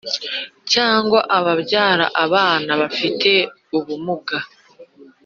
cyangwa bakabyara abana bafite ubumuga